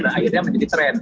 dan akhirnya menjadi tren